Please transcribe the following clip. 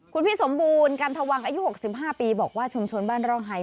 คุณพี่สมบูรณ์กันทวังอายุ๖๕ปีบอกว่าชุมชนบ้านร่องไฮ